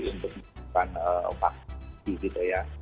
untuk melakukan vaksinasi gitu ya